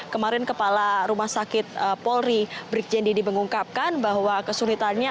kemarin kepala rumah sakit polri brikjen didi mengungkapkan bahwa kesulitannya